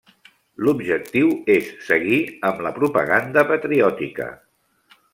L’objectiu és seguir amb la propaganda patriòtica.